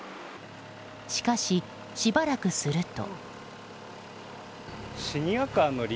しかし、しばらくすると。